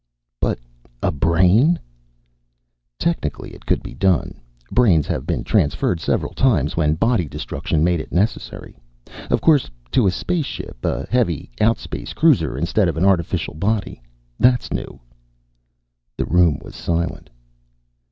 "But a brain...." "Technically, it could be done. Brains have been transferred several times, when body destruction made it necessary. Of course, to a spaceship, to a heavy outspace cruiser, instead of an artificial body, that's new." The room was silent.